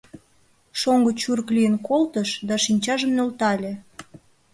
Шоҥго чурк лийын колтыш да шинчажым нӧлтале.